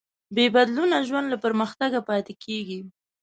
بېبدلونه ژوند له پرمختګه پاتې کېږي.